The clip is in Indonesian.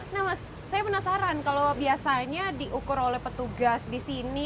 nah mas saya penasaran kalau biasanya diukur oleh petugas di sini